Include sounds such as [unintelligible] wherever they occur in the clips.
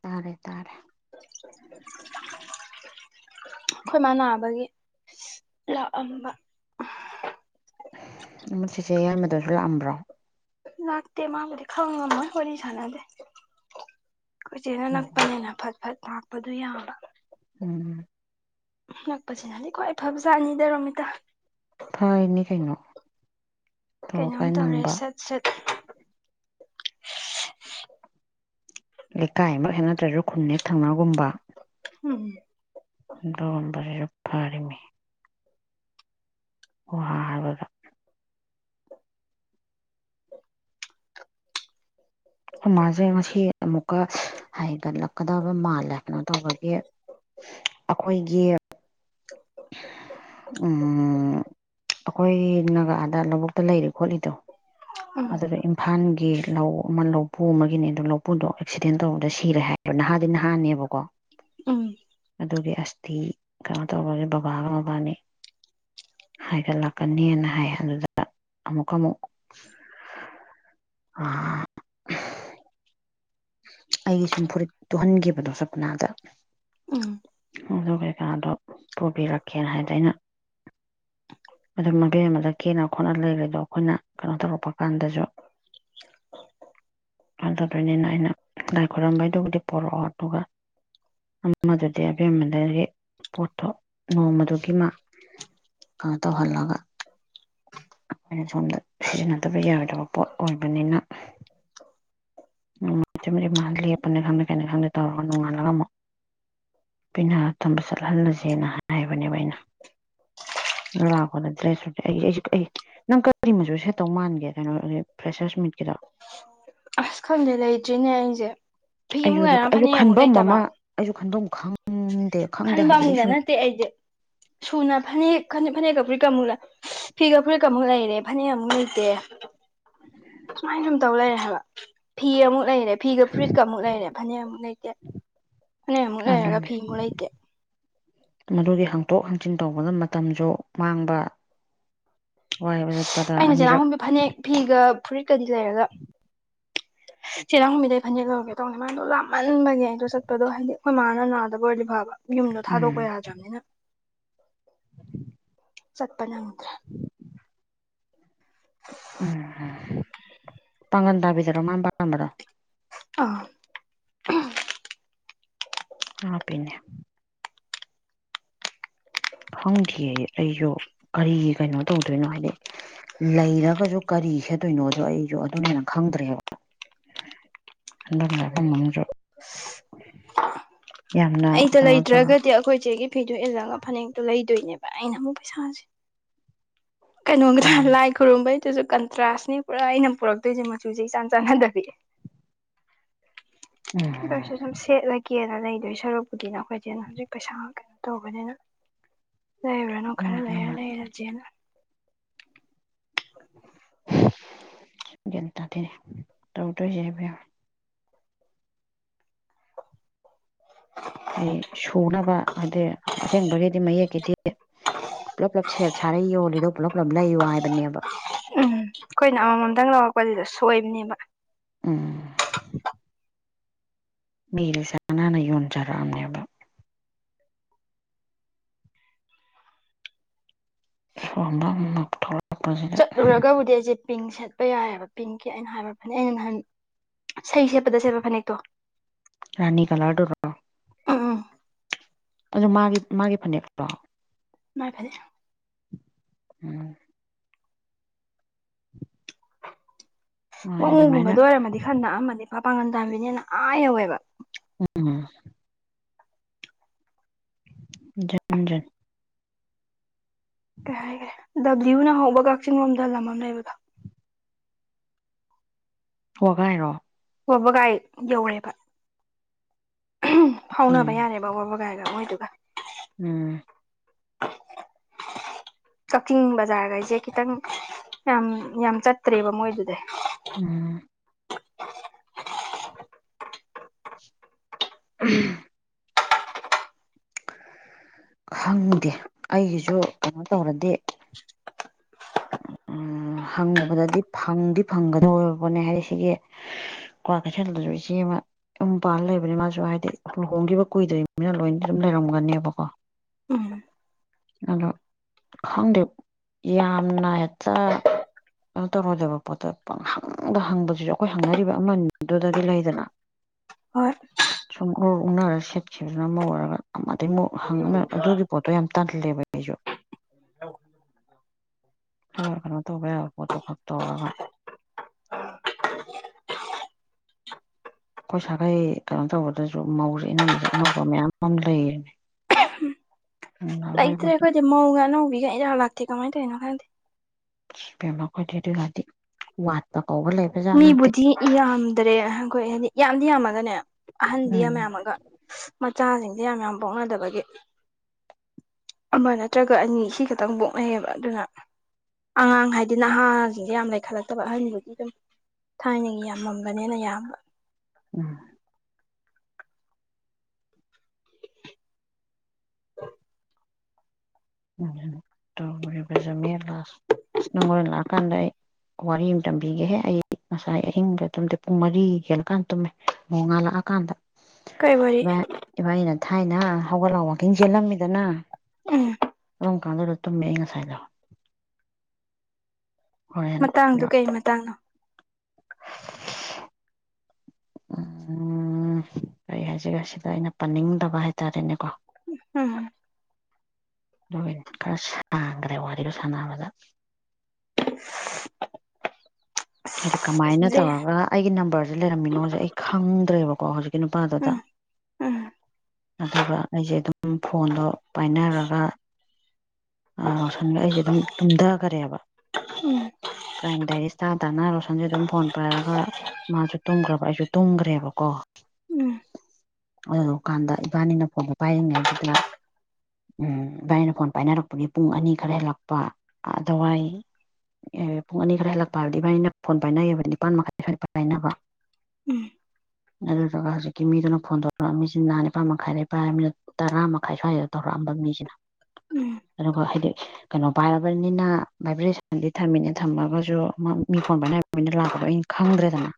ꯇꯥꯔꯦ ꯇꯥꯔꯦ [unintelligible] ꯑꯈꯣꯏꯃꯥ ꯅꯥꯕꯒꯤ ꯂꯥꯛꯑꯝꯕ ꯑꯃ ꯆꯤꯆꯦ ꯌꯥꯏꯃꯗꯨꯁꯨ ꯂꯥꯛꯑꯝꯕ꯭ꯔꯣ ꯅꯠꯇꯦ ꯃꯥꯕꯨꯗꯤ ꯈꯪꯉꯝꯃꯣꯢ ꯋꯥꯔꯤ ꯁꯥꯅꯗꯦ ꯈꯣꯏꯆꯦꯅ ꯑꯣ ꯅꯛꯄꯅꯤꯅ ꯐꯠ ꯐꯠ ꯂꯥꯛꯄꯗꯨ ꯌꯥꯕ ꯎꯝ ꯅꯛꯄꯁꯤꯅꯗꯤ ꯈ꯭ꯋꯥꯏ ꯐꯕꯖꯥꯠꯅꯤꯗ ꯔꯣꯃꯤꯇꯥ ꯐꯔꯤꯅꯦ ꯀꯩꯅꯣ ꯑꯊꯨ ꯀꯩꯅꯣꯝ ꯑꯀꯥꯏ ꯇꯧꯔꯦ ꯅꯪꯕ ꯁꯠ ꯂꯩꯀꯥꯏꯃꯛ ꯍꯦꯛ ꯅꯠꯇ꯭ꯔꯁꯨ ꯈꯨꯟ ꯍꯦꯛ ꯊꯪꯅꯒꯨꯝꯕ ꯎꯝ ꯗꯣꯝꯕꯁꯤꯁꯨ ꯐꯔꯤꯃꯤ ꯋꯥ ꯍꯥꯏꯕꯗ ꯈꯣꯢꯃꯥꯁꯦ ꯉꯁꯤ ꯑꯃꯨꯛꯀ ꯍꯥꯏꯒꯠꯂꯛꯀꯗꯕ ꯃꯥꯜꯂꯦ ꯀꯩꯅꯣ ꯇꯧꯕꯒꯤ ꯑꯈꯣꯏꯒꯤ ꯎꯝ ꯑꯈꯣꯏꯒꯤ ꯅꯒꯥꯗ ꯂꯧꯕꯨꯛꯇ ꯂꯩꯔꯤ ꯈꯣꯠꯂꯤꯗꯣ ꯎꯝ ꯑꯗꯨꯗ ꯏꯝꯐꯥꯜꯒꯤ ꯂꯧ ꯑꯃ ꯂꯧꯄꯨ ꯑꯃꯒꯤꯅꯦ ꯑꯗꯨ ꯂꯧꯄꯨꯗꯣ ꯑꯦꯛꯁꯤꯗꯦꯟ ꯇꯧꯕꯗ ꯁꯤꯔꯦ ꯍꯥꯏ ꯑꯗꯣ ꯅꯍꯥꯗꯤ ꯅꯍꯥꯅꯦꯕꯀꯣ ꯎꯝ ꯑꯗꯨꯒꯤ ꯑꯁꯇꯤ ꯀꯩꯅꯣ ꯇꯧꯔꯣꯒꯤ ꯕꯕꯥꯒ ꯃꯕꯥꯅꯤ ꯍꯥꯏꯒꯠꯂꯛꯀꯅꯦꯅ ꯍꯥꯏ ꯑꯗꯨꯗ ꯑꯃꯨꯛꯀ ꯃꯨꯛ [unintelligible] ꯑꯩꯖꯧ ꯐꯨꯔꯤꯠ ꯇꯨꯍꯟꯒꯤꯕꯗꯣ ꯁꯞꯄꯅꯥꯗ ꯎꯝ ꯑꯗꯨ ꯀꯩꯀꯥꯗꯣ ꯄꯨꯕꯤꯔꯛꯀꯦꯅ ꯍꯥꯏꯗ ꯑꯩꯅ ꯑꯗꯨ ꯃꯕꯦꯃꯗ ꯀꯦꯅ ꯈꯣꯠꯅ ꯂꯩꯔꯤꯗꯣ ꯑꯈꯣꯏꯅ ꯀꯩꯅꯣ ꯇꯧꯔꯛꯄ ꯀꯥꯟꯗꯁꯨ [inaudible] ꯑꯗꯨ ꯗꯣꯏꯅꯤꯅ ꯑꯩꯅ ꯂꯥꯏ ꯈꯣꯏꯔꯝꯕꯩꯗꯨꯕꯨꯗꯤ ꯄꯣꯔꯛꯑꯣ ꯑꯗꯨꯒ ꯑꯃꯗꯨꯗꯤ ꯑꯕꯦꯝꯃꯗꯒꯤ ꯄꯣꯠꯇꯣ ꯅꯣꯡꯃꯗꯨꯒꯤ ꯃꯥ ꯀꯩꯩꯅꯣ ꯇꯧꯍꯜꯂꯒ ꯑꯈꯣꯏꯅ ꯁꯣꯝꯗ ꯁꯤꯖꯤꯟꯅꯗꯕ ꯌꯥꯗꯕ ꯄꯣꯠ ꯑꯣꯏꯕꯅꯤꯅ ꯅꯣꯡꯃꯁꯤꯃꯗꯤ ꯃꯥ ꯂꯦꯞꯄꯅꯤ ꯈꯪꯗꯦ ꯀꯩꯅꯤ ꯈꯪꯗꯦ ꯇꯧꯔꯒ ꯅꯣꯡꯉꯜꯂꯒ ꯑꯃꯨꯛ ꯄꯦꯅꯥ ꯇꯝꯕ ꯆꯠꯍꯜꯂꯁꯦꯅ ꯍꯥꯏꯕꯅꯦꯕ ꯑꯩꯅ ꯂꯥꯛꯄꯗ ꯗ꯭ꯔꯦꯁꯨ ꯑꯩꯁꯨ ꯑꯩ ꯅꯪ ꯀꯔꯤ ꯃꯆꯨ ꯁꯦꯠꯇꯧ ꯃꯥꯟꯒꯦ ꯀꯩꯅꯣ ꯐ꯭ꯔꯦꯁꯔꯁ ꯃꯤꯠꯀꯤꯗꯣ ꯑꯁ ꯈꯪꯗꯦ ꯂꯩꯇ꯭ꯔꯤꯅꯦ ꯑꯩꯖꯦ ꯑꯩꯖꯨ ꯑꯗꯨ ꯑꯩꯖꯨ ꯈꯟꯕꯝ ꯑꯃ ꯑꯩꯖꯨ ꯈꯟꯕꯝ ꯈꯪ ꯈꯟꯕꯝꯒ ꯅꯠꯇꯦ ꯑꯩꯗꯤ ꯁꯨꯅ ꯐꯅꯦꯛ ꯈꯅꯦꯛ ꯐꯅꯦꯛꯀ ꯐꯨꯔꯤꯠꯀ [unintelligible] ꯐꯤꯒ ꯐꯨꯔꯤꯠꯀ ꯑꯃꯨꯛ ꯂꯩꯔꯦ ꯐꯅꯦꯛ ꯑꯃꯨꯛ ꯂꯩꯇꯦ ꯁꯨꯃꯥꯏꯟ ꯁꯨꯝ ꯇꯧ ꯂꯩꯔꯦ ꯍꯥꯏꯕ ꯐꯤ ꯑꯃꯨꯛ ꯂꯩꯔꯦ ꯐꯤꯒ ꯐꯨꯔꯤꯠꯀ ꯑꯃꯨꯛ ꯂꯩꯔꯦ ꯐꯅꯦꯛ ꯑꯃꯨꯛ ꯂꯩꯇꯦ ꯐꯅꯦꯛ ꯑꯃꯨꯛ ꯂꯩꯔꯒ ꯑꯗꯨꯅꯤ ꯐꯤ ꯑꯃꯨꯛ ꯂꯩꯇꯦ ꯃꯗꯨꯒꯤ ꯍꯪꯇꯣꯛ ꯍꯪꯖꯤꯟ ꯇꯧꯕꯗ ꯃꯇꯝꯖꯨ ꯃꯥꯡꯕ ꯋꯥꯏꯕ ꯖꯠꯄꯗ ꯑꯅꯤꯔꯛ ꯗꯨ ꯐꯅꯦꯛ ꯐꯤꯒ ꯐꯨꯔꯤꯠꯀꯗꯤ ꯂꯩꯔꯒ ꯆꯦ ꯔꯥꯡꯈꯣꯝꯕꯤꯗꯩ ꯐꯅꯦꯛ ꯂꯧꯔꯨꯒꯦ ꯇꯧꯕꯅꯦ ꯃꯥꯗꯣ ꯂꯥꯞꯃꯟꯕꯒꯤ ꯑꯗꯨ ꯆꯠꯄꯗꯣ ꯍꯥꯏꯗꯤ ꯑꯩꯈꯣꯏ ꯃꯥꯅ ꯅꯥꯗꯕ ꯑꯣꯏꯔꯗꯤ ꯐꯥꯕ ꯌꯨꯝꯗꯣ ꯊꯥꯗꯣꯛꯄ ꯎꯝ ꯌꯥꯗ꯭ꯔꯝꯅꯤꯅ ꯆꯠꯄ ꯅꯪ ꯎꯝ ꯄꯥꯡꯉꯟꯇꯥꯕꯤꯗꯔꯣ ꯃꯥꯟ ꯄꯥꯟꯕꯗꯣ ꯑꯧ ꯂꯥꯞꯄꯤꯅꯦ ꯈꯪꯗꯤꯌꯦ ꯑꯩꯖꯨ ꯀꯔꯤ ꯀꯩꯅꯣ ꯇꯧꯗꯣꯏꯅꯣ ꯍꯥꯏꯗꯤ ꯂꯩꯔꯒꯖꯨ ꯀꯔꯤ ꯁꯦꯠꯇꯣꯏꯅꯣꯗꯣ ꯑꯩꯖꯨ ꯑꯗꯨꯅ ꯍꯦꯟꯅ ꯈꯪꯗ꯭ꯔꯦꯕ ꯍꯟꯗꯛ ꯂꯥꯛꯄ ꯉꯝꯃꯗ꯭ꯔꯣ ꯑꯩꯗꯣ ꯂꯩꯇ꯭ꯔꯒꯗꯤ ꯑꯈꯣꯏ ꯆꯦꯒꯤ ꯐꯤꯗꯨ ꯏꯜꯂꯒ ꯐꯅꯦꯛꯇꯣ ꯂꯩꯗꯣꯏꯅꯦꯕ ꯑꯩꯅ ꯑꯃꯨꯛ ꯄꯩꯁꯥꯁꯤ ꯀꯩꯅꯣꯒꯤꯗ ꯎꯝ ꯂꯥꯏꯛ ꯈꯨꯔꯨꯝꯕꯩꯗꯨꯖꯨ ꯀꯟꯇ꯭ꯔꯥꯁꯅꯦ ꯄꯨꯔꯥ ꯑꯩꯅ ꯄꯨꯔꯛꯇꯣꯏꯖꯦ ꯃꯆꯨꯖꯦ ꯏꯆꯥꯟ ꯆꯥꯟꯅꯗꯕꯤ ꯎꯝ ꯑꯗꯣꯏꯁꯨ ꯁꯨꯝ ꯁꯦꯠꯂꯒꯦꯅ ꯂꯩꯗꯣꯏ ꯁꯔꯨꯛ ꯕꯨꯗꯤꯅ ꯑꯩꯈꯣꯏ ꯆꯦꯅ ꯍꯧꯖꯤꯛ ꯄꯩꯁꯥ ꯀꯩꯅꯣ ꯇꯧꯕꯅꯤꯅ ꯂꯩꯔꯨꯔꯅꯣ ꯈꯔ ꯅꯣꯡꯃ ꯂꯩꯔ ꯅꯣꯡꯃ ꯂꯩꯔꯖꯦꯅ ꯒ꯭ꯥꯌꯟ ꯇꯥꯗꯦꯅꯦ ꯇꯧꯗꯣꯏꯁꯦ ꯏꯕꯦꯝꯃꯥ ꯑꯩ ꯁꯨꯅꯕ ꯍꯥꯏꯗꯤ ꯑꯁꯦꯡꯕꯒꯤꯗꯤ ꯃꯌꯦꯛꯀꯤꯗꯤ ꯄꯨꯂꯞ ꯄꯨꯂꯞ ꯁꯦꯠ ꯁꯥꯔ ꯌꯣꯂꯤꯗꯣ ꯄꯨꯂꯞ ꯄꯨꯂꯞ ꯂꯩꯌꯣ ꯍꯥꯏꯕꯅꯦꯕ ꯎꯝ ꯑꯩꯈꯣꯏꯅ ꯑꯃ ꯃꯝꯇꯪ ꯂꯧꯔꯛꯄꯖꯤꯗ ꯁꯣꯏꯕꯅꯦꯕ ꯎꯝ ꯃꯤ ꯂꯤꯁꯅꯥꯅ ꯌꯣꯟꯖꯔꯛꯑꯝꯅꯦꯕ ꯁꯥꯔꯝꯗꯧ ꯃꯊꯥ ꯆꯠꯂꯨꯔꯒꯕꯨꯗꯤ ꯑꯩꯖꯦ ꯄꯤꯡ ꯁꯦꯠ ꯄꯥ ꯌꯥꯏꯌꯦꯕ ꯄꯤꯡꯀꯤ ꯑꯩꯅ ꯍꯥꯏꯕ ꯐꯅꯦꯛ ꯑꯩꯅ ꯅꯍꯥꯟ ꯏꯁꯩ ꯁꯦꯠꯄꯗ ꯁꯦꯠꯄ ꯐꯅꯦꯛꯇꯣ ꯔꯥꯅꯤ ꯀꯂꯔꯗꯨꯔꯣ ꯑꯧꯑꯧ ꯑꯗꯣ ꯃꯥꯒꯤ ꯃꯥꯒꯤ ꯐꯅꯦꯛꯂꯣ ꯃꯥꯏ ꯐꯅꯦꯛ ꯎꯝ [inaudible] ꯃꯥꯅꯦ ꯑꯗꯨꯃꯥꯏꯅ ꯋꯥꯉꯨꯒꯨꯝꯕꯗ ꯑꯣꯏꯔꯝꯃꯗꯤ ꯈꯔ ꯅꯛꯑꯝꯃꯗꯤ ꯐꯥ ꯄꯥꯉꯟꯇꯥꯕꯤꯅꯤꯅ ꯑꯥ ꯌꯧꯋꯦꯕ ꯎꯝ ꯖꯨꯟꯖꯨꯟ ꯀꯩ ꯍꯥꯏꯒꯔꯦ ꯗꯕ꯭ꯂꯤꯌꯨꯅ ꯍꯧꯕ ꯀꯛꯆꯤꯡ ꯂꯣꯝꯗ ꯂꯝ ꯑꯝ ꯂꯩꯕꯗꯣ ꯋꯒꯥꯏꯔꯣ ꯋꯕꯒꯥꯏ ꯌꯧꯔꯦꯕ ꯐꯥꯎꯅꯕ ꯎꯝ ꯌꯥꯔꯦꯕ ꯋꯕꯒꯥꯏꯒ ꯃꯣꯏꯗꯨꯒ ꯎꯝ ꯀꯛꯆꯤꯡ ꯕꯖꯥꯔꯒꯩꯁꯦ ꯈꯤꯇꯪ ꯌꯥꯝ ꯌꯥꯝ ꯆꯠꯇ꯭ꯔꯦꯕ ꯃꯣꯏꯗꯨꯗꯩ ꯎꯝ [unintelligible] ꯈꯪꯗꯦ ꯑꯩꯒꯤꯁꯨ ꯀꯩꯅꯣ ꯇꯧꯔꯗꯤ [unintelligible] ꯎꯝ ꯍꯪꯉꯨꯕꯗꯗꯤ ꯐꯪꯗꯤ ꯐꯪꯒꯗꯧꯔꯕꯣꯅꯦ ꯍꯥꯏꯗꯤ ꯁꯤꯒꯤ ꯀ꯭ꯋꯥꯀꯩꯊꯦꯟꯗꯁꯨ ꯏꯆꯦ ꯑꯃ ꯌꯨꯝ ꯄꯥꯜꯂ ꯂꯩꯕꯅꯤ ꯃꯥꯁꯨ ꯍꯥꯏꯗꯤ ꯂꯨꯍꯣꯡꯈꯤꯕ ꯀꯨꯏꯗ꯭ꯔꯤꯃꯤꯅ ꯂꯣꯏ ꯑꯗꯨꯝ ꯂꯩꯔꯝꯒꯅꯤꯕꯀꯣ ꯎꯝ ꯑꯗꯣ ꯈꯪꯗꯦ ꯌꯥꯝꯅ ꯍꯦꯛꯇ ꯀꯩꯅꯣ ꯇꯧꯔꯣꯏꯗꯕ ꯄꯣꯠꯇ ꯄꯪ ꯍꯪꯗ ꯍꯪꯕꯗꯨꯁꯨ ꯑꯩꯈꯣꯏ ꯍꯪꯅꯔꯤꯕ ꯑꯃꯅꯤꯗꯨꯗꯒꯤ ꯂꯩꯗꯅ ꯍꯣꯏ ꯁꯨꯝ ꯎꯔ ꯎꯛꯅꯔꯒ ꯁꯦꯠꯈꯤꯕꯗꯨꯅ ꯑꯃ ꯑꯣꯏꯔꯒ ꯑꯃꯗꯩꯃꯨꯛ ꯍꯪ ꯑꯃ ꯑꯗꯨꯒꯤ ꯄꯣꯠꯇꯣ ꯌꯥꯝ ꯇꯜꯂꯦꯕ ꯑꯩ ꯈꯔ ꯀꯩꯅꯣ ꯇꯧꯕ ꯌꯥꯕ ꯄꯣꯠꯇꯣ ꯈꯛ ꯇꯧꯔꯒ ꯑꯩꯈꯣꯏ ꯁꯥꯈꯩ ꯀꯩꯅꯣ ꯇꯧꯕꯗꯁꯨ ꯃꯧꯁꯦ ꯏꯅꯝꯕꯁꯦ ꯑꯅꯧꯕ ꯃꯌꯥꯝ ꯑꯃ ꯂꯩꯌꯦ ꯑꯍꯝ ꯂꯩꯇ꯭ꯔꯦ ꯑꯩꯈꯣꯏꯗꯤ ꯃꯧꯒ ꯑꯅꯧꯕꯤꯒ ꯏꯔꯥꯛ ꯂꯥꯛꯇꯦ ꯀꯃꯥꯏꯅ ꯇꯧꯔꯤꯅꯣ ꯈꯪꯗꯦ ꯄꯦꯝꯃ ꯑꯣꯏꯗꯤ ꯑꯗꯨ ꯀꯥꯇꯤ ꯋꯥꯠꯄ ꯀꯧꯕ ꯂꯩ ꯃꯤꯕꯨꯗꯤ ꯌꯥꯝꯗ꯭ꯔꯦ ꯑꯩꯈꯣꯏ ꯍꯥꯏꯗꯤ ꯌꯥꯝꯗꯤ ꯌꯥꯝꯃꯒꯅꯦ ꯑꯍꯟꯗꯤ ꯎꯝ ꯌꯥꯝ ꯌꯥꯝꯃꯒ ꯃꯆꯥꯁꯤꯡꯖꯦ ꯌꯥꯝ ꯌꯥꯝ ꯄꯣꯛꯅꯗꯕꯒꯤ ꯑꯃ ꯅꯠꯇ꯭ꯔꯒ ꯑꯅꯤ ꯁꯤ ꯈꯛꯇꯪ ꯄꯣꯛꯅꯩꯌꯦꯕ ꯑꯗꯨꯅ ꯑꯉꯥꯡ ꯍꯥꯏꯗꯤ ꯅꯍꯥ ꯁꯤꯡꯁꯦ ꯌꯥꯝ ꯂꯩꯈꯠꯂꯛꯇꯕ ꯑꯍꯟꯕꯨꯗꯤ ꯑꯗꯨꯝ ꯊꯥꯏꯅꯒꯤ ꯌꯥꯝꯃꯝꯕꯅꯤꯅ ꯌꯥꯝꯕ ꯎꯝ ꯇꯧꯔꯤꯕ ꯖꯃꯦꯂꯥꯁ ꯅꯪ ꯍꯣꯔꯦꯟ ꯂꯥꯛꯑꯀꯥꯟꯗ ꯑꯩ ꯋꯥꯔꯤ ꯑꯃ ꯇꯝꯕꯤꯒꯦꯍꯦ ꯑꯩ ꯉꯁꯥꯏ ꯑꯍꯤꯡꯒ ꯇꯨꯝꯗꯦ ꯄꯨꯡ ꯃꯔꯤ ꯍꯦꯜꯂ ꯀꯥꯟꯗ ꯇꯨꯝꯃꯦ ꯅꯣꯡꯉꯥꯜꯂꯛꯑꯀꯥꯟꯗ ꯀꯩ ꯋꯥꯔꯤ ꯏꯕꯥꯟꯅꯤꯅ ꯊꯥꯏꯅ ꯍꯧꯒꯠꯂꯥ ꯋꯥꯛꯀꯤꯡ ꯆꯦꯜꯂꯝꯃꯤꯗꯅ ꯎꯝ ꯑꯗꯨꯝ ꯀꯥꯟꯗ ꯇꯨꯝꯃꯦ ꯑꯩ ꯉꯁꯥꯏꯗꯣ ꯍꯣꯏ ꯃꯇꯥꯡꯗꯨ ꯀꯩ ꯃꯇꯥꯡꯅꯣ [inaudible] ꯎꯝ ꯀꯔꯤ ꯍꯥꯏꯁꯤꯔꯥ ꯁꯤꯗ ꯑꯩꯅ ꯄꯟꯅꯤꯡꯗꯕ ꯍꯥꯏꯇꯥꯔꯦꯅꯦꯀꯣ ꯎꯝ ꯑꯗꯨ ꯈꯔ ꯁꯥꯡꯒ꯭ꯔꯦ ꯋꯥꯔꯤꯗꯣ ꯁꯥꯟꯅꯕꯗ ꯍꯥꯏꯗꯤ ꯀꯃꯥꯏꯅ ꯖꯦ ꯇꯧꯔꯒ ꯑꯩꯒꯤ ꯅꯝꯕꯔꯖꯦ ꯂꯩꯔꯝꯃꯤꯅꯣꯖꯦ ꯑꯩ ꯈꯪꯗ꯭ꯔꯦꯕꯀꯣ ꯍꯧꯖꯤꯛ ꯀꯤ ꯅꯨꯄꯥꯥꯗꯨꯗ ꯎꯝ ꯎꯝ ꯑꯗꯨꯒ ꯑꯩꯖꯦ ꯑꯗꯨꯝ ꯐꯣꯟꯗꯣ ꯄꯥꯏꯅꯔꯒ ꯔꯣꯁꯟꯒ ꯑꯩꯁꯦ ꯑꯗꯨꯝ ꯇꯨꯝꯗꯒꯔꯦꯕ ꯎꯝ ꯀ꯭ꯔꯥꯏꯝ ꯗꯥꯏꯔꯤꯁ ꯇꯥ ꯇꯥꯅ ꯔꯣꯁꯟꯁꯦ ꯑꯗꯨꯝ ꯐꯣꯟ ꯄꯥꯏꯔꯒ ꯃꯥꯁꯨ ꯇꯨꯝꯒ꯭ꯔꯕ ꯑꯩꯁꯨ ꯇꯨꯝꯒ꯭ꯔꯦꯕꯀꯣ ꯎꯝ ꯑꯗꯨꯗꯨ ꯀꯥꯟꯗ ꯏꯕꯥꯅꯤꯅ ꯐꯣꯟꯗꯣ ꯄꯥꯏꯔꯤꯉꯩꯗꯨꯗ ꯎꯝ ꯏꯕꯥꯥꯅꯤꯅ ꯐꯣꯟ ꯄꯥꯏꯅꯔꯛꯄꯒꯤ ꯄꯨꯡ ꯑꯅꯤ ꯈꯔ ꯍꯦꯜꯂꯛꯄ ꯑꯗꯨꯋꯥꯏ ꯑꯦ ꯄꯨꯡ ꯑꯅꯤ ꯈꯔ ꯍꯦꯜꯂꯛꯄ ꯍꯥꯏꯕꯗꯤ ꯏꯕꯥꯟꯅꯤꯅ ꯐꯣꯟ ꯄꯥꯏꯅꯩꯌꯦꯕꯗꯤ ꯅꯤꯄꯥꯥꯟ ꯃꯈꯥꯏ ꯁ꯭ꯋꯥꯏꯗ ꯄꯥꯏꯅꯕ [inaudible] ꯑꯗꯨꯗꯨꯒ ꯍꯧꯖꯤꯛꯀꯤ ꯃꯤꯗꯨꯅ ꯐꯣꯟ ꯇꯧꯔꯛ ꯑꯝꯃꯤꯁꯤꯅ ꯅꯤꯄꯥꯟ ꯃꯈꯥꯏ ꯗꯩ ꯄꯥꯥꯏꯔꯝꯅꯤꯅ ꯇꯔꯥ ꯃꯈꯥꯏ ꯁ꯭ꯋꯥꯏꯗ ꯇꯧꯔꯛꯑꯝꯕ ꯃꯤꯖꯤꯅ ꯎꯝ ꯎꯝ ꯑꯗꯨꯒ ꯍꯥꯏꯗꯤ ꯀꯩꯅꯣ ꯄꯥꯏꯔꯕꯅꯤꯅ ꯚꯥꯏꯕ꯭ꯔꯦꯁꯟꯗꯤ ꯊꯝꯃꯤꯅꯦ ꯊꯝꯃꯒꯁꯨ ꯃꯥ ꯃꯤ ꯐꯣꯟ ꯄꯥꯏꯅꯔꯛꯄꯅꯤꯅ ꯂꯥꯛꯄꯗꯣ ꯑꯩꯅ ꯈꯪꯗ꯭ꯔꯦꯗꯅ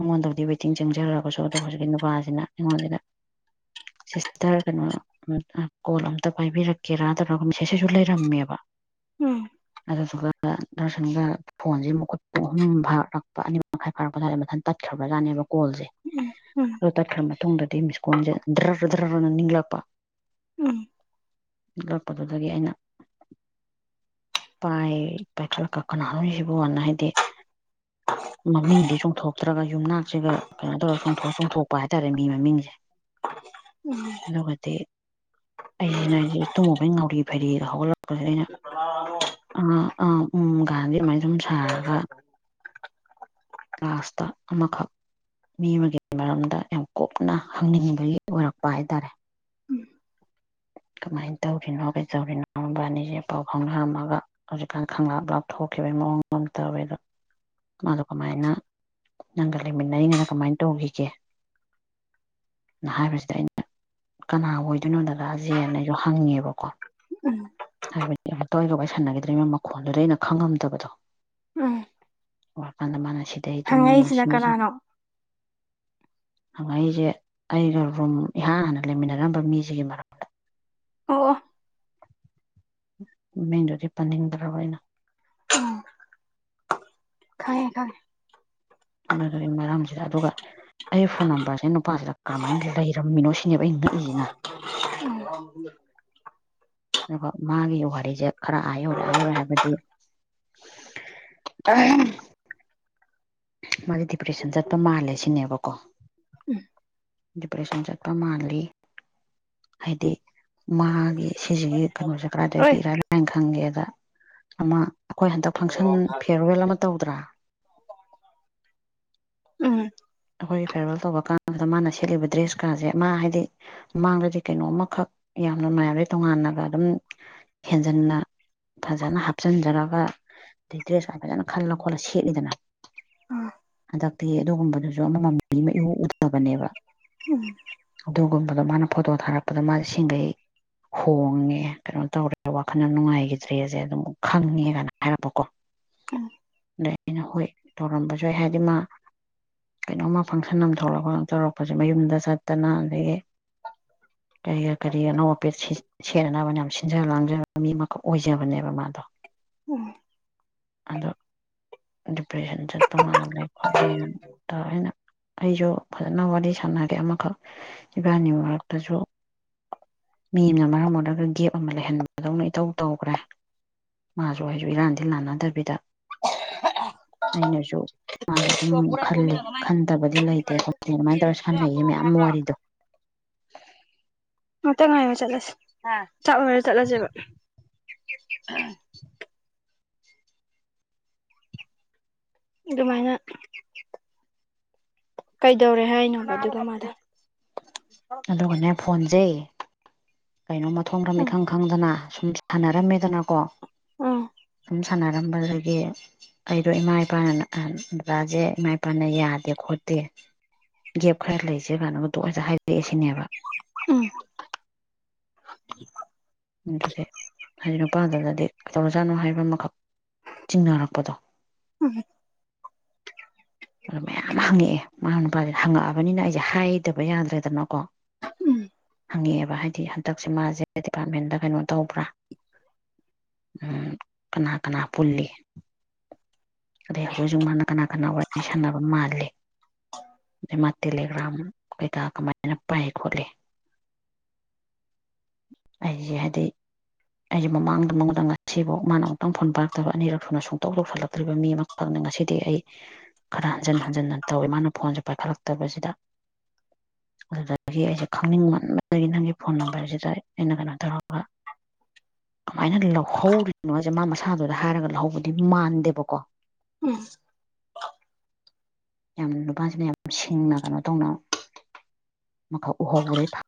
ꯃꯉꯣꯟꯗꯕꯨꯗꯤ ꯋꯦꯇꯤꯡ ꯆꯪꯖꯔꯒꯁꯨ ꯑꯗꯣ ꯍꯧꯖꯤꯛꯀꯤ ꯅꯨꯄꯥꯁꯤꯅ ꯑꯩꯉꯣꯟꯁꯤꯗ ꯁꯤꯁꯇꯔ ꯀꯩꯅꯣ ꯎꯝ ꯑꯥ ꯀꯣꯜ ꯑꯝꯇ ꯄꯥꯏꯕꯤꯔꯛꯀꯦꯔꯥ ꯇꯧꯔꯒ ꯃꯦꯁꯦꯁꯁꯤꯁꯨ ꯂꯩꯔꯝꯃꯦꯕ ꯎꯝ ꯑꯗꯨꯗꯨꯒ ꯗꯔꯁꯟꯒ ꯐꯣꯟꯖꯤꯃꯨꯛ ꯈꯣꯏ ꯄꯨꯡ ꯑꯍꯨꯝ ꯐꯥꯔꯛꯄ ꯑꯅꯤꯃꯈꯥꯏ ꯐꯥꯔꯛꯄꯁꯥꯏꯗ ꯃꯊꯟ ꯇꯠꯈ꯭ꯔꯕꯖꯥꯠꯅꯦꯕ ꯀꯣꯜꯁꯦ ꯎꯝ ꯎꯝ ꯎꯝ ꯑꯗꯣ ꯇꯠꯈ꯭ꯔ ꯃꯇꯨꯡꯗꯗꯤ ꯃꯤꯁꯀꯣꯟꯜꯁꯦ ꯗ꯭ꯔꯔ ꯗ꯭ꯔꯔ ꯒꯅ ꯅꯤꯛꯂꯛꯄ ꯅꯤꯛꯂꯛꯄꯗꯨꯗꯒꯤ ꯑꯩꯅ ꯄꯥꯏ ꯄꯥꯏꯈꯠ ꯂꯛꯀ ꯀꯅꯥꯅꯣꯅꯦꯁꯤꯕꯨ ꯑꯅ ꯍꯥꯏꯗꯤ [inaudible] ꯃꯃꯤꯡꯗꯤ ꯆꯣꯡꯊꯣꯛꯇ꯭ꯔꯒ ꯌꯨꯝꯅꯥꯛꯁꯤꯒ ꯀꯩꯅꯣ ꯇꯧꯔ ꯆꯣꯡꯊꯣꯛꯑ ꯆꯣꯡꯊꯣꯛꯄ ꯍꯥꯏꯇꯥꯔꯦ ꯃꯤ ꯃꯃꯤꯡꯖꯦ ꯎꯝ ꯑꯗꯨꯒꯗꯤ ꯑꯩꯖꯤꯅꯗꯤ ꯇꯨꯝꯃꯨꯕꯩ ꯉꯥꯎꯔꯤ ꯐꯩꯔꯤꯒ ꯍꯧꯒꯠꯂꯛꯄꯖꯤꯗ ꯑꯩꯅ ꯑꯥ ꯑꯥ ꯎꯝ ꯒꯥꯟꯗꯤ ꯑꯃꯥꯏ ꯁꯨꯝ ꯁꯥꯔꯒ ꯂꯥꯁꯇ ꯑꯃꯈꯛ ꯃꯤ ꯑꯃꯒꯤ ꯃꯔꯝꯗ ꯌꯥꯝ ꯀꯨꯞꯅ ꯍꯪꯅꯤꯡꯕꯒꯤ ꯑꯣꯏꯔꯛꯄ ꯍꯥꯏꯇꯥꯔꯦ ꯎꯝ ꯀꯃꯥꯏꯟ ꯇꯧꯔꯤꯅꯣ ꯀꯩꯗꯧꯔꯤꯅꯣ ꯃꯕꯥꯅꯤꯖꯦ ꯄꯥꯎ ꯐꯥꯎꯅꯝꯃꯒ ꯍꯧꯖꯤꯛꯀꯥꯟ ꯈꯪꯂꯥꯞ ꯂꯥꯞꯊꯣꯛꯈꯤꯕꯩ ꯃꯑꯣꯡ ꯑꯃ ꯇꯧꯋꯦ ꯑꯗꯨ ꯃꯥꯗꯣ ꯀꯃꯥꯏꯅ ꯅꯪꯒ ꯂꯩꯃꯤꯟꯅꯔꯤꯉꯩꯗ ꯀꯃꯥꯏꯟ ꯇꯧꯒꯤꯒꯦ ꯅ ꯍꯥꯏꯕꯁꯤꯗ ꯑꯩꯅ ꯀꯅꯥ ꯑꯣꯏꯗꯣꯏꯅꯣ ꯗꯗꯥꯖꯦ ꯑꯅ ꯑꯩꯖꯨ ꯍꯪꯉꯦꯕꯀꯣ ꯎꯝ ꯍꯥꯏꯕꯗꯤ ꯌꯥꯝ ꯇꯣꯏꯅ ꯋꯥꯔꯤ ꯁꯥꯟꯅꯒꯤꯗ꯭ꯔꯤꯝꯅꯤꯅ ꯃꯈꯣꯟꯗꯨꯗꯤ ꯑꯩꯅ ꯈꯪ ꯉꯝꯗꯕꯗꯣ ꯎꯝ ꯋꯥ ꯀꯥꯟꯗ ꯃꯥꯅ ꯁꯤꯗꯩꯗꯨꯅꯦ ꯍꯪꯉꯛꯏꯁꯤꯅ ꯁꯤꯅꯤ ꯁꯤꯅꯤ ꯀꯅꯥꯅꯣ ꯍꯪꯉꯛꯏꯖꯦ ꯑꯩꯒ ꯔꯨꯝ ꯏꯍꯥꯟ ꯍꯥꯟꯅ ꯂꯩꯃꯤꯟꯅꯔꯝꯕ ꯃꯤꯖꯤꯒꯤ ꯃꯔꯛ ꯑꯣ ꯑꯣ ꯃꯃꯤꯡꯗꯨꯗꯤ ꯄꯟꯅꯤꯡꯗ꯭ꯔꯕ ꯑꯩꯅ ꯎꯝ ꯈꯪꯉꯦ ꯈꯪꯉꯦ ꯑꯗꯨꯗꯨꯒꯤ ꯃꯔꯝꯖꯤꯗ ꯑꯗꯨꯒ ꯑꯩ ꯐꯣꯟ ꯅꯝꯕꯔꯁꯦ ꯅꯨꯄꯥꯁꯤꯗ ꯀ꯭ꯔꯃꯥꯏꯟ ꯂꯩꯔꯝꯃꯤꯅꯣ ꯁꯤꯅꯦꯕ ꯑꯩ ꯉꯛꯏꯖꯤꯅꯥ ꯎꯝ ꯉꯥꯏꯈꯣ ꯃꯥꯒꯤ ꯋꯥꯔꯤꯖꯦ ꯈꯔ ꯑꯥ ꯌꯧꯔꯦ ꯑꯥ ꯌꯧꯔꯦ ꯍꯥꯏꯕꯗꯤ ꯑꯍꯝ ꯃꯥꯖꯦ ꯗꯤꯄ꯭ꯔꯦꯁꯟ ꯆꯠꯄ ꯃꯥꯜꯂꯦ ꯁꯤꯅꯦꯕꯀꯣ ꯎꯝ ꯗꯤꯄ꯭ꯔꯦꯁꯟ ꯆꯠꯄ ꯃꯥꯜꯂꯤ ꯍꯥꯏꯗꯤ ꯃꯥꯒꯤ ꯁꯤꯖꯤꯒꯤ ꯀꯩꯅꯣꯖꯦ ꯀꯔꯥꯏꯗꯒꯤ ꯑꯣꯏ ꯏꯔꯥꯏ ꯂꯥꯏꯅ ꯈꯪꯒꯦꯗꯥ ꯑꯃ ꯑꯈꯣꯏ ꯍꯟꯗꯛ ꯐꯪꯁꯟ ꯐꯤꯌꯔꯋꯦꯜ ꯑꯃ ꯇꯧꯗ꯭ꯔꯥ ꯎꯝ ꯑꯈꯣꯏꯒꯤ ꯐꯤꯌꯔꯋꯦꯜ ꯇꯧꯕ ꯀꯥꯟꯖꯤꯗ ꯃꯥꯅ ꯁꯦꯠꯂꯤꯕ ꯗ꯭ꯔꯦꯁ ꯀꯥꯖꯦ ꯃꯥ ꯍꯥꯏꯗꯤ ꯃꯥꯡꯗꯗꯤ ꯀꯩꯅꯣꯃ ꯈꯛ ꯌꯥꯝꯅ ꯃꯌꯥꯝꯗꯩ ꯇꯣꯉꯥꯟꯅꯒ ꯑꯗꯨꯝ ꯍꯦꯟꯖꯟꯅ ꯐꯥꯖꯅ ꯍꯥꯞꯆꯟꯖꯔꯒ ꯗꯤ ꯗ꯭ꯔꯦꯁꯀ ꯐꯥꯖꯅ ꯈꯜꯂ ꯈꯣꯠꯂ ꯁꯦꯠꯂꯤꯗꯅ ꯎꯝ ꯍꯟꯗꯛꯇꯤ ꯑꯗꯨꯒꯨꯝꯕꯗꯨ [unintelligible] ꯃꯥꯃꯤ ꯑꯃ ꯏꯎ ꯎꯗꯕꯅꯦꯕ ꯎꯝ ꯑꯗꯨꯒꯨꯝꯕꯗꯣ ꯃꯥꯅ ꯐꯣꯇꯣ ꯊꯥꯔꯛꯄꯗ ꯃꯥꯖꯦ ꯁꯤꯡꯒꯩ ꯍꯣꯡꯉꯦ ꯀꯩꯅꯣ ꯇꯧꯔꯦ ꯋꯥꯈꯜ ꯌꯥꯝ ꯅꯨꯡꯉꯥꯏꯒꯤꯗ꯭ꯔꯦꯖꯦ ꯑꯗꯨꯝ ꯈꯪꯉꯦꯗꯅ ꯍꯥꯏꯔꯛꯄꯀꯣ [inaudible] ꯑꯗꯩ ꯑꯩꯅ ꯍꯣꯏ ꯇꯧꯔꯝꯕꯖꯨ ꯌꯥꯏ ꯍꯥꯏꯗꯤ ꯃꯥ ꯀꯩꯅꯣꯝꯃ ꯐꯪꯁꯟ ꯑꯃ ꯊꯣꯛꯂꯛꯄ ꯇꯧꯔꯛꯄꯖꯦ ꯃꯌꯨꯝꯗ ꯆꯠꯇꯅ ꯑꯗꯒꯤ ꯀꯩꯒ ꯀꯔꯤꯒꯅꯧ ꯑꯣꯄꯤꯁ ꯁꯤ ꯁꯦꯠꯅꯅꯕꯅ ꯌꯥꯝ ꯁꯤꯟꯖ ꯂꯥꯡꯖꯕ ꯃꯤ ꯑꯃꯈꯛ ꯑꯣꯏꯖꯕꯅꯦꯕ ꯃꯥꯗꯣ ꯎꯝ ꯑꯗꯣ ꯗꯤꯄ꯭ꯔꯦꯁꯟ ꯆꯠꯄ ꯃꯥꯜꯂꯦ ꯈꯣꯠꯂꯦꯅ ꯇꯧꯔꯦ ꯑꯩꯅ ꯑꯩꯖꯨ ꯐꯥꯖꯅ ꯋꯥꯔꯤ ꯁꯥꯟꯅꯔꯦ ꯑꯃꯈꯛ ꯏꯕꯥꯅꯤ ꯃꯔꯛꯇꯖꯨ ꯃꯤ ꯑꯝꯅ ꯃꯔꯝ ꯑꯣꯏꯔꯒ ꯒꯦꯞ ꯑꯃ ꯂꯩꯍꯟꯕꯗꯧꯅ ꯏꯇꯧ ꯇꯧꯒ꯭ꯔꯦ ꯃꯥꯖꯨ ꯑꯩꯖꯨ ꯏꯔꯥꯟꯗꯤ ꯂꯥꯟꯅꯗꯕꯤꯗ ꯑꯩꯅꯖꯨ ꯃꯥꯗꯤ ꯑꯗꯨꯝ ꯈꯜꯂꯦ ꯈꯟꯗꯕꯗꯤ ꯂꯩꯇꯦ ꯈꯣꯠꯇꯦ ꯑꯗꯨꯃꯥꯏꯅ ꯇꯧꯔ ꯁꯥꯟꯅꯩꯌꯦ ꯃꯌꯥꯝ ꯋꯥꯔꯤꯗꯣ [inaudible] ꯉꯥꯛꯇ ꯉꯥꯏꯌꯣ ꯆꯠꯂꯖꯦ ꯍꯥ ꯆꯥꯛ ꯂꯣꯏꯔ ꯆꯠꯂꯖꯦꯕ ꯑꯗꯨꯃꯥꯏꯅ ꯀꯩꯗꯧꯔꯦ ꯍꯥꯏꯅꯣꯕ ꯑꯗꯨꯒ ꯃꯗꯣ ꯑꯗꯨꯒꯅꯦ ꯐꯣꯟꯖꯦ ꯀꯩꯅꯣ ꯃꯊꯣꯡ ꯃꯔꯝ ꯎꯝ ꯏꯈꯪ ꯈꯪꯗꯅ ꯁꯨꯝ ꯁꯥꯟꯅꯔꯝꯃꯦꯗꯅꯀꯣ ꯑꯥ ꯑꯗꯨꯨꯝ ꯁꯥꯟꯅꯔꯝꯕꯗꯒꯤ ꯑꯩꯗꯣ ꯏꯃꯥ ꯏꯄꯥ ꯑꯥ ꯗꯥꯗꯥꯖꯦ ꯏꯃꯥ ꯏꯄꯥꯅ ꯌꯥꯗꯦ ꯈꯣꯠꯇꯦ ꯒꯦꯞ ꯈꯔ ꯂꯩꯖꯦ ꯀꯥꯟꯅꯒ ꯗꯣꯛ ꯍꯦꯛꯇ ꯍꯥꯏꯔꯛꯑꯦ ꯁꯤꯅꯦꯕ ꯎꯝ ꯑꯗꯨꯗꯤ ꯍꯥꯏꯗꯤ ꯅꯨꯄꯥꯗꯨꯗꯗꯤ ꯀꯩꯗꯧꯔꯖꯥꯠꯅꯣ ꯍꯥꯏꯕ ꯑꯃꯈꯛ ꯆꯤꯡꯅꯔꯛꯄꯗꯣ ꯎꯝ ꯑꯗꯣ ꯃꯌꯥꯝ ꯍꯪꯉꯛꯑꯦ ꯃꯥꯅ ꯅꯨꯄꯥꯖꯤꯗ ꯍꯪꯉꯛꯑꯕꯅꯤꯅ ꯑꯩꯖꯦ ꯍꯥꯏꯗꯕ ꯌꯥꯗ꯭ꯔꯦꯗꯅꯀꯣ ꯎꯝ ꯍꯪꯉꯛꯑꯦꯕ ꯍꯥꯏꯗꯤ ꯍꯟꯗꯛꯁꯦ ꯃꯥꯖꯦ ꯗꯤꯄꯥꯔꯠꯃꯦꯟꯗ ꯀꯩꯅꯣ ꯇꯧꯕ꯭ꯔꯥ ꯎꯝ ꯀꯅꯥ ꯀꯅꯥ ꯄꯨꯜꯂꯤ ꯑꯗꯩ ꯍꯧꯖꯤꯛ ꯍꯧꯖꯤꯛ ꯃꯥꯅ ꯀꯅꯥ ꯀꯅꯥ ꯋꯥꯏ ꯔꯤ ꯁꯥꯟꯅꯕ ꯃꯥꯜꯂꯦ ꯑꯗꯩ ꯃꯥ ꯇꯦꯂꯦꯒ꯭ꯔꯝ ꯀꯩꯀꯥ ꯀꯃꯥꯏꯅ ꯄꯥꯏ ꯈꯣꯠꯂꯦ ꯑꯩꯖꯦ ꯍꯥꯏꯗꯤ ꯑꯩꯖꯦ ꯃꯃꯥꯡꯗ ꯃꯉꯣꯟꯗ ꯉꯁꯤꯕꯧ ꯃꯥꯅ ꯑꯃꯨꯛꯇꯪ ꯐꯣꯟ ꯄꯥꯏꯔꯛꯇꯕ ꯑꯅꯤꯔꯛ ꯁꯨꯅ ꯁꯨꯡꯇꯧ ꯇꯧꯁꯤꯜꯂꯛꯇ꯭ꯔꯤꯕ ꯃꯤ ꯑꯃ ꯈꯪꯅꯦ ꯉꯁꯤꯗꯤ ꯑꯩ ꯈꯔ ꯍꯟꯖꯤꯟ ꯍꯟꯖꯤꯟꯅ ꯇꯧꯋꯦ ꯃꯥꯅ ꯐꯣꯟꯖꯦ ꯄꯥꯏꯈꯠꯂꯛꯇꯕꯖꯤꯗ [inaudible] ꯑꯗꯨꯗꯒꯤ ꯑꯩꯖꯦ ꯈꯪꯅꯤꯡꯃꯟꯕꯗꯒꯤ ꯅꯪꯒꯤ ꯐꯣꯟ ꯅꯝꯕꯔꯖꯤꯗ ꯑꯩꯅ ꯀꯩꯅꯣ ꯇꯧꯔꯒ ꯀꯃꯥꯏꯅ ꯂꯧꯍꯧꯔꯤꯅꯣ ꯍꯥꯏꯖꯦ ꯃꯥ ꯃꯁꯥꯗꯨꯗ ꯍꯥꯏꯔꯒ ꯂꯧꯍꯧꯕꯗꯤ ꯃꯥꯟꯗꯦꯕꯀꯣ ꯎꯝ ꯌꯥꯝꯅ ꯅꯨꯄꯥꯖꯤꯅ ꯌꯥꯝ ꯁꯤꯡꯅ ꯀꯩꯅꯣ ꯇꯧꯅ ꯑꯃꯈꯛ ꯎꯍꯧꯕꯗꯩ ꯐ